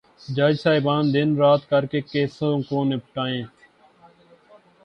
جج صاحبان دن رات کر کے کیسوں کو نمٹائیں۔